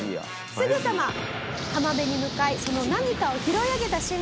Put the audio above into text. すぐさま浜辺に向かいその何かを拾い上げた瞬間